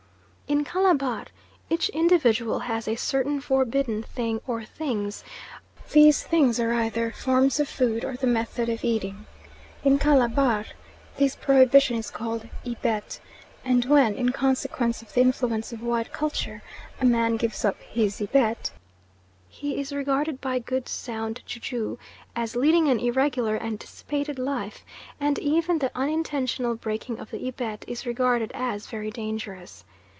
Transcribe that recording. In Calabar each individual has a certain forbidden thing or things. These things are either forms of food, or the method of eating. In Calabar this prohibition is called Ibet, and when, in consequence of the influence of white culture, a man gives up his Ibet, he is regarded by good sound ju juists as leading an irregular and dissipated life, and even the unintentional breaking of the Ibet is regarded as very dangerous.